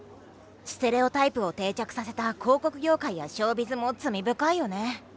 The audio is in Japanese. ステレオタイプを定着させた広告業界やショウビズも罪深いよね。